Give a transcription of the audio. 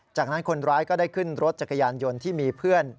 จากนั้นคนร้ายก็ได้ขึ้นรถจักรยานยนต์ที่มีเพื่อน